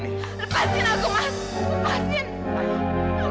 lepasin aku mas lepasin